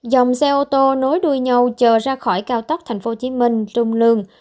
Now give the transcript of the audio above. dòng xe ô tô nối đuôi nhau chờ ra khỏi cao tốc thành phố hồ chí minh trung lương